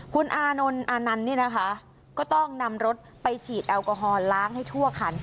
คุณอานนท์อานันต์นี่นะคะก็ต้องนำรถไปฉีดแอลกอฮอลล้างให้ทั่วคัน